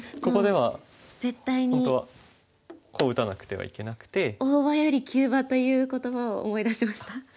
ここでは本当はこう打たなくてはいけなくて。「大場より急場」という言葉を思い出しました。